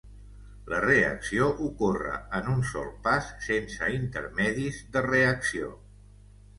La reacció ocorre en un sol pas sense intermedis de reacció.